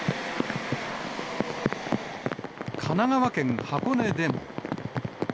神奈川県箱根でも。